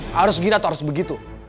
harus gini atau harus begitu